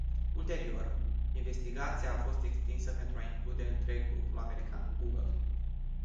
Ulterior, investigația a fost extinsă pentru a include întreg grupul american Google.